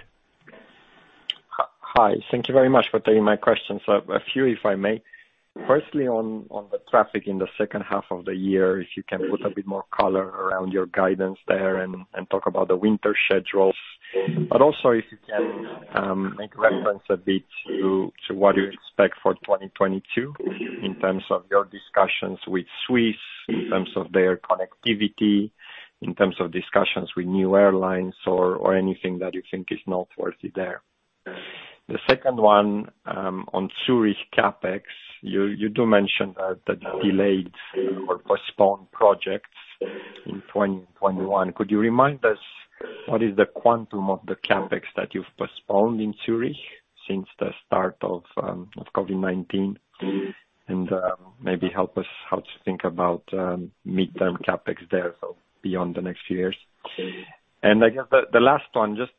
Hi. Thank you very much for taking my questions. A few, if I may. Firstly, on the traffic in the second half of the year, if you can put a bit more color around your guidance there and talk about the winter schedules, but also if you can make reference a bit to what you expect for 2022 in terms of your discussions with Swiss, in terms of their connectivity, in terms of discussions with new airlines or anything that you think is noteworthy there. The second one, on Zürich CapEx. You do mention that you delayed or postponed projects in 2021. Could you remind us what is the quantum of the CapEx that you've postponed in Zürich since the start of COVID-19? Maybe help us how to think about midterm CapEx there, so beyond the next few years. I guess the last one, just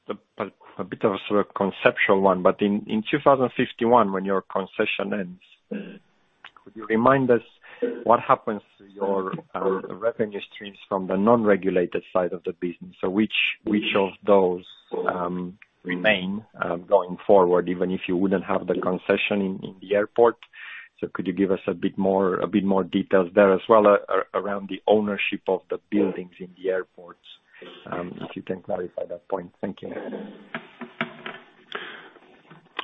a bit of a sort of conceptual one. In 2051, when your concession ends, could you remind us what happens to your revenue streams from the non-regulated side of the business? Which of those remain going forward, even if you wouldn't have the concession in the airport? Could you give us a bit more details there as well around the ownership of the buildings in the airports, if you can clarify that point. Thank you.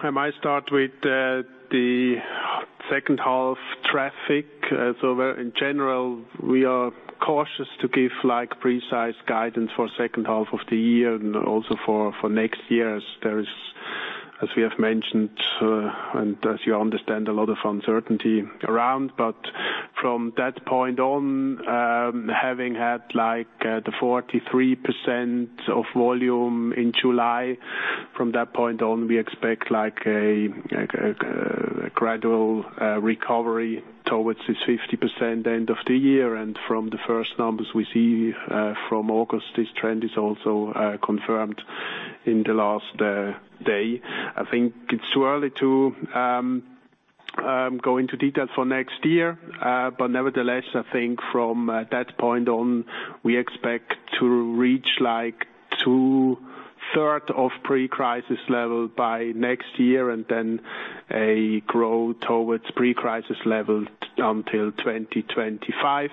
I might start with the second half traffic. In general, we are cautious to give precise guidance for second half of the year and also for next year. As we have mentioned, and as you understand, a lot of uncertainty around, but from that point on, having had like the 43% of volume in July, from that point on, we expect like a gradual recovery towards this 50% end of the year. From the first numbers we see from August, this trend is also confirmed in the last day. I think it's too early to go into detail for next year. Nevertheless, I think from that point on, we expect to reach like 2/3 of pre-crisis level by next year, and then a growth towards pre-crisis level until 2025.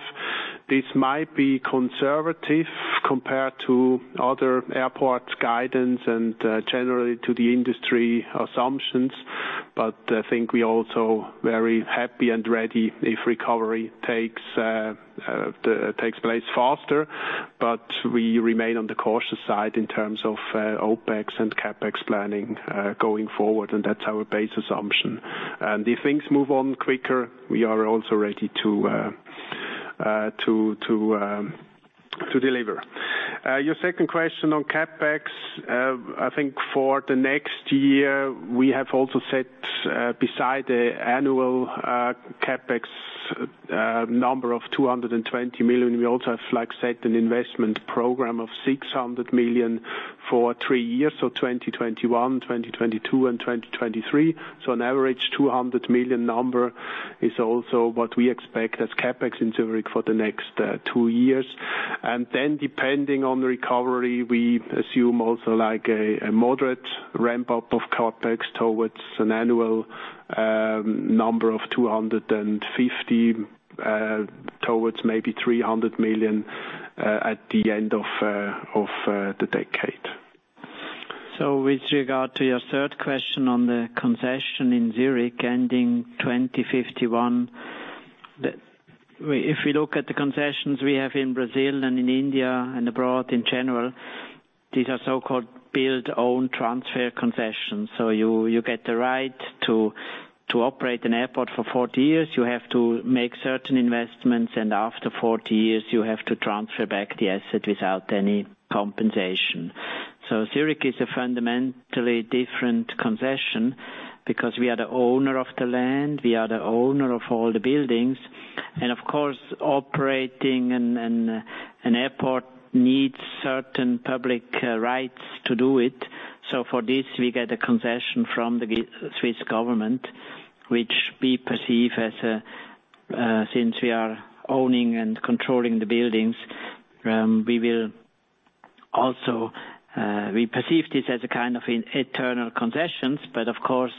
This might be conservative compared to other airports' guidance and generally to the industry assumptions. I think we're also very happy and ready if recovery takes place faster. We remain on the cautious side in terms of OpEx and CapEx planning going forward, and that's our base assumption. If things move on quicker, we are also ready to deliver. Your second question on CapEx. I think for the next year, we have also set beside the annual CapEx number of 220 million, we also have set an investment program of 600 million for three years, so 2021, 2022, and 2023. An average 200 million number is also what we expect as CapEx in Zürich for the next two years. Then depending on the recovery, we assume also a moderate ramp-up of CapEx towards an annual number of 250 million-300 million at the end of the decade. With regard to your third question on the concession in Zurich ending 2051, if we look at the concessions we have in Brazil and in India and abroad in general, these are so-called build-own-transfer concessions. You get the right to operate an airport for 40 years. You have to make certain investments, and after 40 years, you have to transfer back the asset without any compensation. Zurich is a fundamentally different concession because we are the owner of the land, we are the owner of all the buildings, and of course, operating an airport needs certain public rights to do it. For this, we get a concession from the Swiss Government, which we perceive as, since we are owning and controlling the buildings, we will also we perceive this as a kind of eternal concessions, but of course,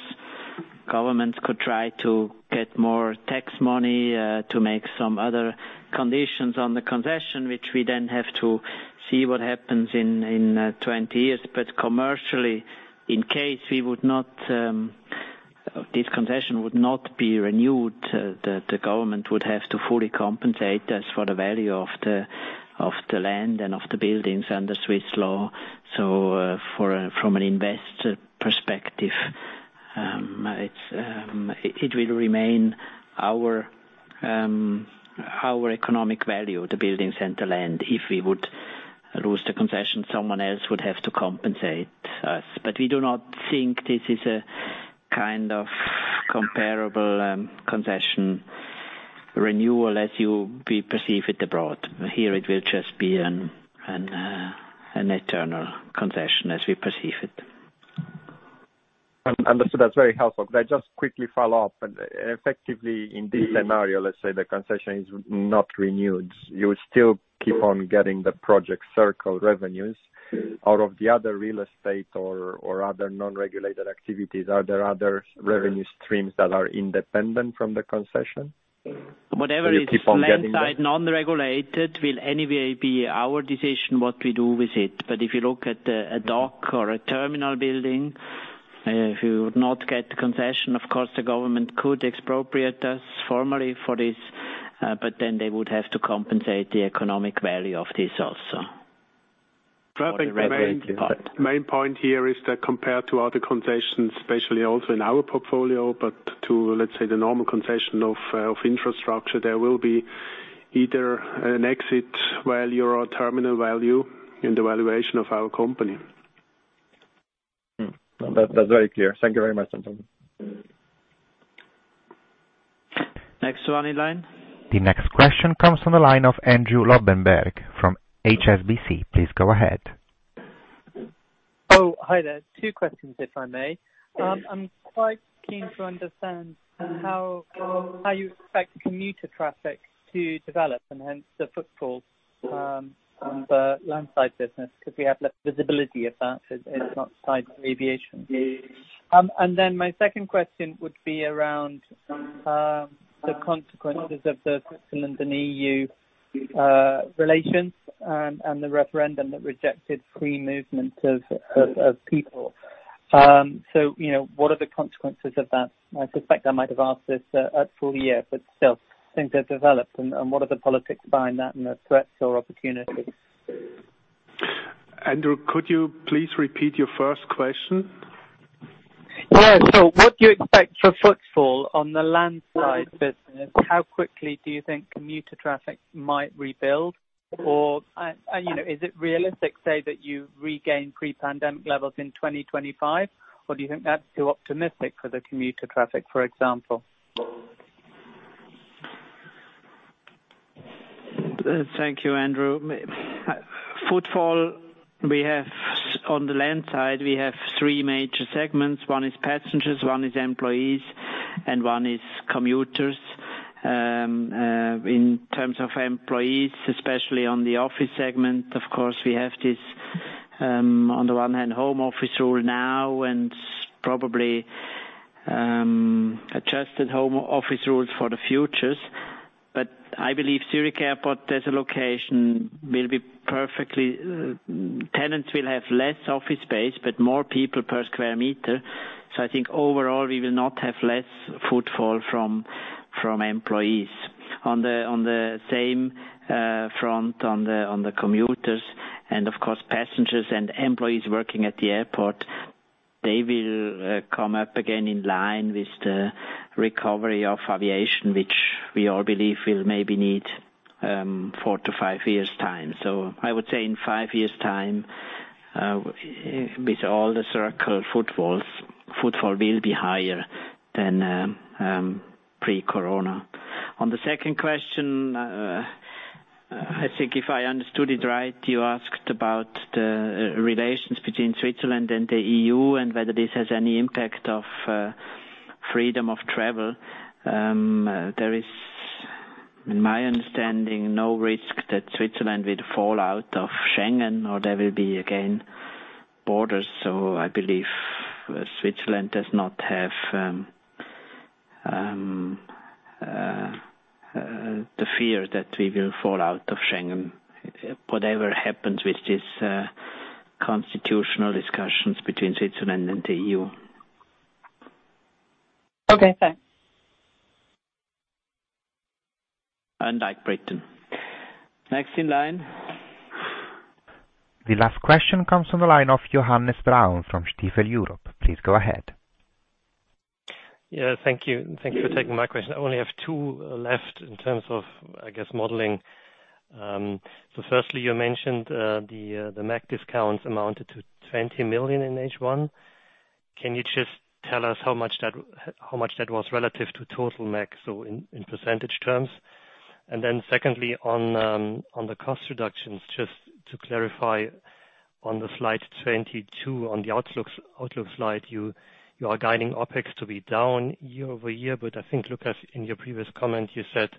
governments could try to get more tax money, to make some other conditions on the concession, which we then have to see what happens in 20 years. Commercially, in case this concession would not be renewed, the government would have to fully compensate us for the value of the land and of the buildings under Swiss law. From an investor perspective, it will remain our economic value, the buildings and the land, if we would lose the concession, someone else would have to compensate us. We do not think this is a kind of comparable concession renewal as you may perceive it abroad. Here, it will just be an eternal concession as we perceive it. Understood. That's very helpful. Can I just quickly follow up? Effectively, in this scenario, let's say the concession is not renewed, you will still keep on getting The Circle revenues out of the other real estate or other non-regulated activities. Are there other revenue streams that are independent from the concession? Whatever is. Will you keep on getting that? Landside non-regulated will anyway be our decision what we do with it. If you look at a dock or a terminal building, if you would not get the concession, of course, the government could expropriate us formally for this, but then they would have to compensate the economic value of this also. Perfect. The main point here is that compared to other concessions, especially also in our portfolio, but to, let's say, the normal concession of infrastructure, there will be either an exit value or terminal value in the valuation of our company. That's very clear. Thank you very much. Next one in line. The next question comes from the line of Andrew Lobbenberg from HSBC. Please go ahead. Oh, hi there. Two questions, if I may. I'm quite keen to understand how you expect commuter traffic to develop and hence the footfall on the landside business, because we have less visibility of that as it's not tied to aviation. My second question would be around the consequences of the Switzerland and EU relations and the referendum that rejected free movement of people. What are the consequences of that? I suspect I might have asked this at full year, but still, things have developed and what are the politics behind that and the threats or opportunities? Andrew, could you please repeat your first question? Yeah. What do you expect for footfall on the landside business? How quickly do you think commuter traffic might rebuild, or is it realistic to say that you regain pre-pandemic levels in 2025? Do you think that's too optimistic for the commuter traffic, for example? Thank you, Andrew. Footfall, on the land side, we have three major segments. One is passengers, one is employees, and one is commuters. In terms of employees, especially on the office segment, of course, we have this, on the one hand, home office rule now and probably adjusted home office rules for the future. I believe Zurich Airport as a location will be perfectly. Tenants will have less office space, but more people per square meter. I think overall, we will not have less footfall from employees. On the same front, on the commuters and of course, passengers and employees working at the airport, they will come up again in line with the recovery of aviation, which we all believe will maybe need four to five years' time. I would say in five years' time, with all The Circle footfalls, footfall will be higher than pre-Corona. On the second question, I think if I understood it right, you asked about the relations between Switzerland and the EU and whether this has any impact of freedom of travel. There is, in my understanding, no risk that Switzerland will fall out of Schengen or there will be again, borders. I believe Switzerland does not have the fear that we will fall out of Schengen, whatever happens with these constitutional discussions between Switzerland and the EU. Okay, thanks. Like Britain. Next in line. The last question comes from the line of Johannes Braun from Stifel Europe. Please go ahead. Yeah, thank you. Thank you for taking my question. I only have two left in terms of, I guess, modeling. Firstly, you mentioned the MAG discounts amounted to 20 million in H1. Can you just tell us how much that was relative to total MAG, so in percentage terms? Secondly, on the cost reductions, just to clarify on the slide 22, on the outlook slide, you are guiding OpEx to be down year-over-year, but I think, Lukas, in your previous comment, you said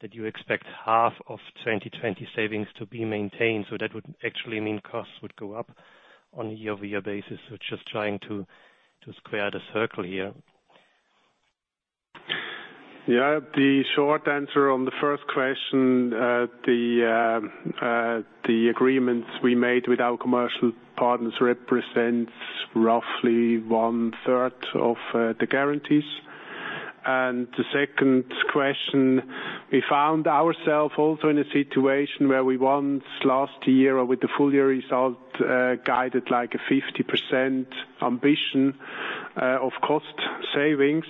that you expect half of 2020 savings to be maintained. That would actually mean costs would go up on a year-over-year basis. Just trying to square the circle here. Yeah, the short answer on the first question, the agreements we made with our commercial partners represents roughly 1/3 of the guarantees. The second question, we found ourselves also in a situation where we once last year with the full year result, guided like a 50% ambition of cost savings.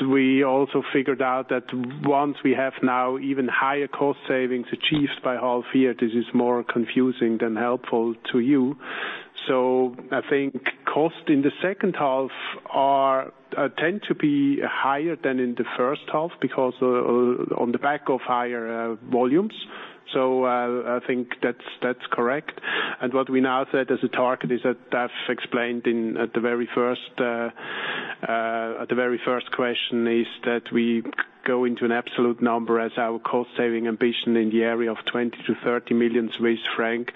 We also figured out that once we have now even higher cost savings achieved by half year, this is more confusing than helpful to you. I think cost in the second half tend to be higher than in the first half because on the back of higher volumes. I think that's correct. What we now set as a target is that I've explained at the very first question, is that we go into an absolute number as our cost saving ambition in the area of 20 million-30 million Swiss francs,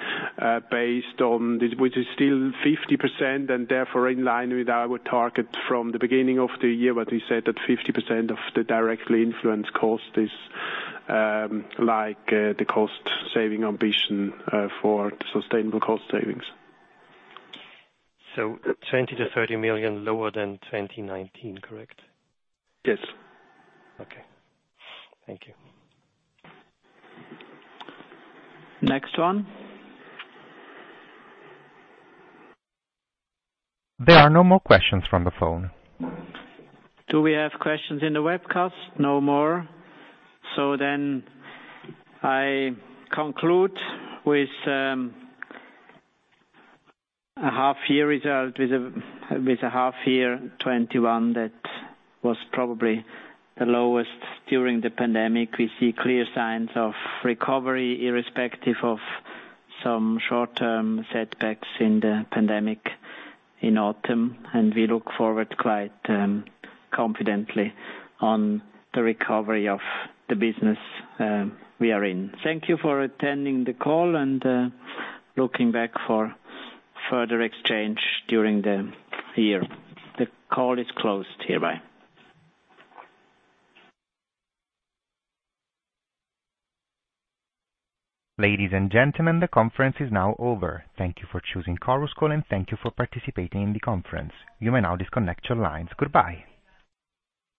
based on which is still 50% and therefore in line with our target from the beginning of the year, what we said that 50% of the directly influenced cost is like the cost saving ambition for the sustainable cost savings. 20 million-30 million lower than 2019, correct? Yes. Okay. Thank you. Next one. There are no more questions from the phone. Do we have questions in the webcast? No more. So then, I conclude with a half year result with a half year 2021 that was probably the lowest during the pandemic. We see clear signs of recovery, irrespective of some short-term setbacks in the pandemic in autumn, and we look forward quite confidently on the recovery of the business we are in. Thank you for attending the call and looking back for further exchange during the year. The call is closed hereby. Ladies and gentlemen, the conference is now over. Thank you for choosing Chorus Call, and thank you for participating in the conference. You may now disconnect your lines. Goodbye.